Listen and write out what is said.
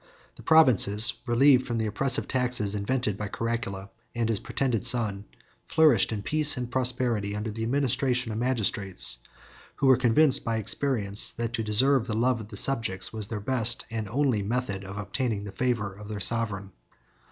711 The provinces, relieved from the oppressive taxes invented by Caracalla and his pretended son, flourished in peace and prosperity, under the administration of magistrates who were convinced by experience that to deserve the love of the subjects was their best and only method of obtaining the favor of their sovereign.